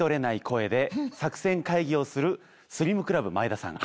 声で作戦会議をするスリムクラブ真栄田さん。